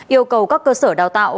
yêu cầu các cơ sở đào tạo